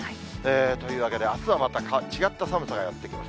というわけであすはまた違った寒さがやって来ます。